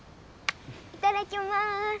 いただきます。